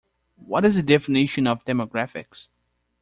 What is the definition of demographics?